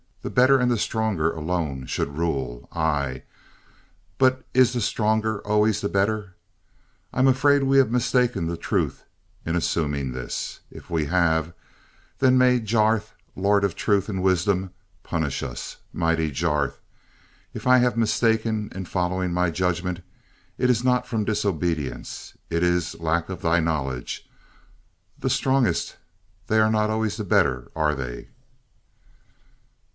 The better and the stronger alone should rule. Aye, but is the stronger always the better? I am afraid we have mistaken the Truth in assuming this. If we have then may Jarth, Lord of Truth and Wisdom punish us. Mighty Jarth, if I have mistaken in following my judgments, it is not from disobedience, it is lack of Thy knowledge. The strongest they are not always the better, are they?"